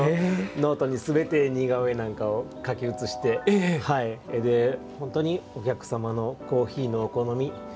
ノートに全て似顔絵なんかを描き写して本当にお客様のコーヒーのお好み